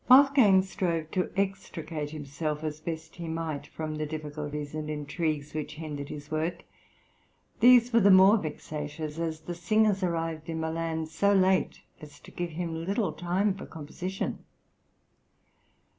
Wolfgang strove to extricate himself, as best he might, from the difficulties and intrigues which hindered his work. These were the more vexatious, as the singers arrived in Milan so late as to give him little time for composition.